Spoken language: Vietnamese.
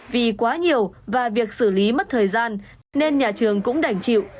vì quá nhiều và việc xử lý mất thời gian nên nhà trường cũng đành chịu